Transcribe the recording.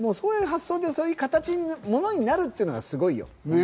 そういう発想でものになるっていうのがすごいよ。